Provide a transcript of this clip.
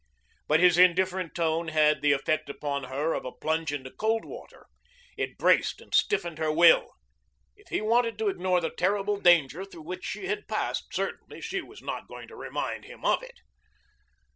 But his indifferent tone had the effect upon her of a plunge into cold water. It braced and stiffened her will. If he wanted to ignore the terrible danger through which she had passed, certainly she was not going to remind him of it.